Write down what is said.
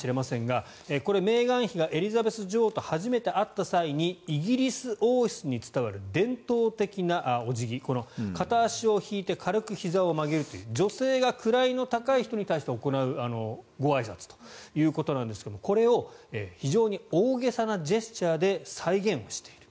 面白いイラストに見えるかもしれませんがこれはメーガン妃がエリザベス女王と初めて会った際にイギリス王室に伝わる伝統的なお辞儀この片足を引いて軽くひざを曲げるという女性が位の高い人に対して行うごあいさつということなんですがこれを非常に大げさなジェスチャーで再現をしている。